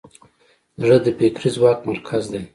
زړه د فکري ځواک مرکز دی.